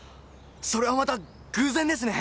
それはまた偶然ですね。